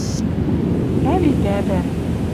Ӓви пӓпӓ